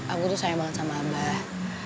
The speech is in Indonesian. aku tuh sayang banget sama abah